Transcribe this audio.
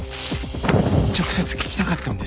直接聞きたかったんです。